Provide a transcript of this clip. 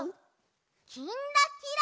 「きんらきら」。